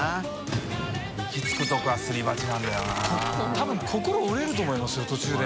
多分心折れると思いますよ途中で。